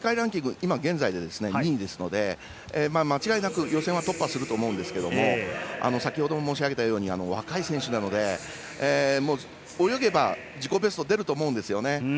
今、現在２位ですので間違いなく予選は突破すると思うんですけれども若い選手なので泳げば自己ベスト出ると思います。